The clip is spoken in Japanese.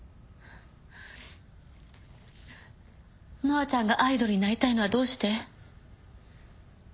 乃愛ちゃんがアイドルになりたいのはどうして？